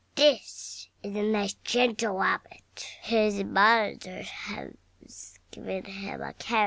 THIS is a nice gentle Rabbit. His mother has given him a carrot.